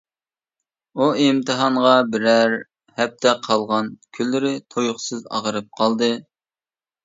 ئۇ ئىمتىھانغا بىرەر ھەپتە قالغان كۈنلىرى تۇيۇقسىز ئاغرىپ قالدى.